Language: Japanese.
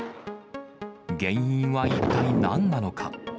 原因は一体なんなのか。